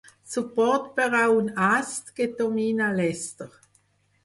Suport per a un ast que domina l'Ester.